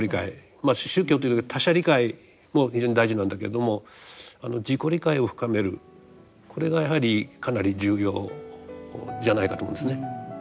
まあ宗教という他者理解も非常に大事なんだけれども自己理解を深めるこれがやはりかなり重要じゃないかと思うんですね。